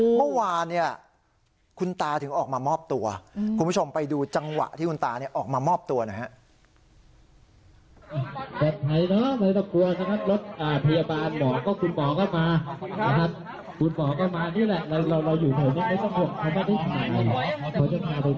เมื่อวานเนี่ยคุณตาถึงออกมามอบตัวคุณผู้ชมไปดูจังหวะที่คุณตาออกมามอบตัวหน่อยครับ